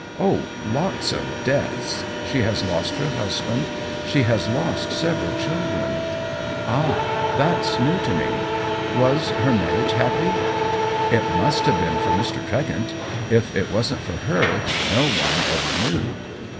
" Oh, lots of deaths. She has lost her husband; she has lost several chil dren." "Ah, that's new to me. Was her mar riage happy ?"" It must have been for Mr. Tregent. If it wasn't for her, no one ever knew."